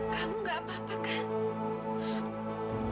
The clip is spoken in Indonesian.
kamu gak apa apa kan